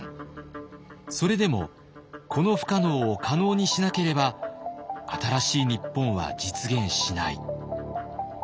それでもこの不可能を可能にしなければ新しい日本は実現しない。